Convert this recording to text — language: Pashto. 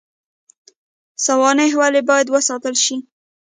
سوانح ولې باید وساتل شي؟